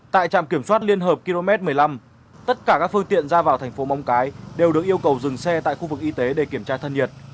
tại trạm kiểm soát liên hợp km một mươi năm tất cả các phương tiện ra vào thành phố móng cái đều được yêu cầu dừng xe tại khu vực y tế để kiểm tra thân nhiệt